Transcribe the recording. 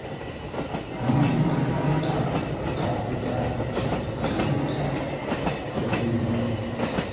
Məŋ nzə̂u kâŋ zâa mətǎa, káa kuʼ gháa ntsoʼ tə nkə́ mbúʼ sáa ləpəu məngə̂p.